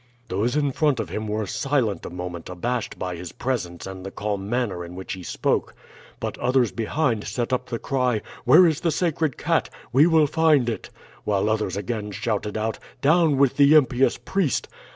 "Those in front of him were silent a moment, abashed by his presence and the calm manner in which he spoke, but others behind set up the cry 'Where is the sacred cat? We will find it!' while others again shouted out 'Down with the impious priest!'